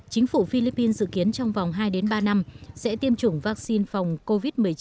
chính phủ philippines dự kiến trong vòng hai ba năm sẽ tiêm chủng vaccine phòng covid một mươi chín